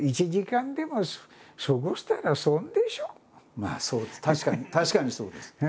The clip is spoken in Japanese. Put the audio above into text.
まあそう確かに確かにそうです。